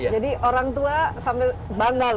jadi orang tua sampai bangga